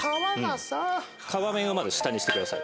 皮面をまず下にしてください。